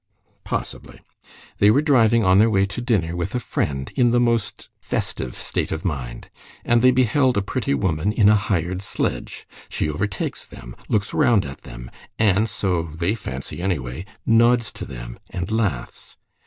"Possibly. They were driving on their way to dinner with a friend in the most festive state of mind. And they beheld a pretty woman in a hired sledge; she overtakes them, looks round at them, and, so they fancy anyway, nods to them and laughs.